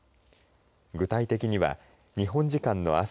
具体的には、日本時間のあす